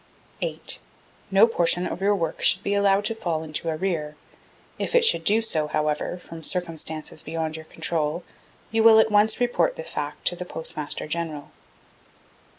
8. No portion of your work should be allowed to fall into arrear; If it should do so, however, from circumstances beyond your control, you will at once report the fact to the Postmaster General.